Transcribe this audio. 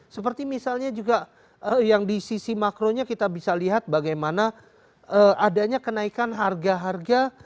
seperti misalnya juga yang di sisi makronya kita bisa lihat bagaimana adanya kenaikan harga harga